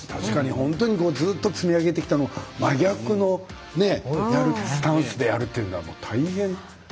確かに、本当にずっと積み上げたものと真逆のスタンスでやるというのは大変。